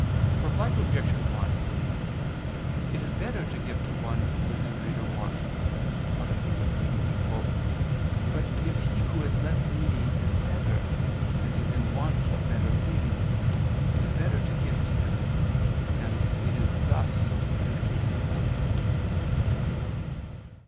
Reply Obj. 1: It is better to give to one who is in greater want, other things being equal, but if he who is less needy is better, and is in want of better things, it is better to give to him: and it is thus in the case in point.